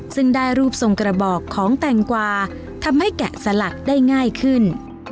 ซึ่งได้รูปทรงกระบอกของแตงกวาทำให้แกะสลักได้ง่ายขึ้น